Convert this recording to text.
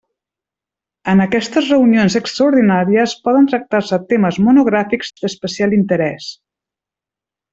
En aquestes reunions extraordinàries poden tractar-se temes monogràfics d'especial interès.